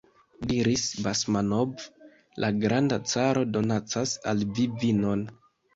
diris Basmanov: la granda caro donacas al vi vinon!